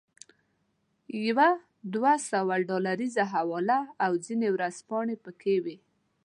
یوه دوه سوه ډالریزه حواله او ځینې ورځپاڼې پکې وې.